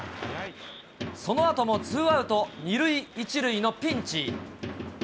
そのあともツーアウト２塁１塁のピンチ。